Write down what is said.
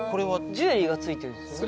ジュエリーがついてるんですね